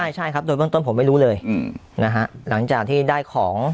ใช่ใช่ครับโดยเบื้องต้นผมไม่รู้เลยอืมนะฮะหลังจากที่ได้ของ